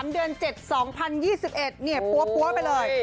๑๓เดือน๐๗๒๐๒๑ป้วนไปเลย